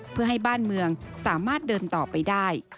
เพื่อให้บ้านเมืองสามารถเดินต่อไปได้